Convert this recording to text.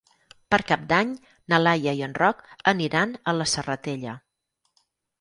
Per Cap d'Any na Laia i en Roc aniran a la Serratella.